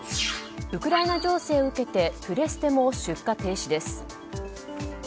ウクライナ情勢を受けてプレステも出荷停止です。